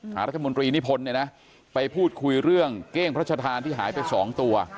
รัฐมนตรีนิพนธ์เนี่ยนะไปพูดคุยเรื่องเก้งพระชธานที่หายไป๒ตัว